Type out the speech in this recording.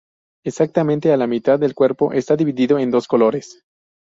Exactamente a la mitad del cuerpo, está dividido en dos colores.